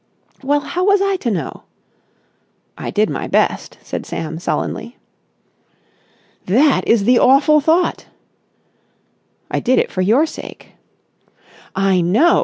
"Well, how was I to know?" "I did my best," said Sam sullenly. "That is the awful thought." "I did it for your sake." "I know.